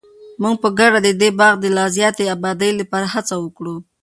موږ به په ګډه د دې باغ د لا زیاتې ابادۍ لپاره هڅه وکړو.